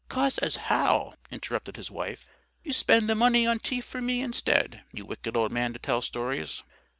"'Cause as how," interrupted his wife, "you spend the money on tea for me, instead. You wicked old man to tell stories!"